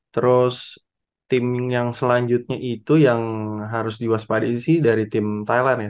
terus tim yang selanjutnya itu yang harus diwaspadai sih dari tim thailand ya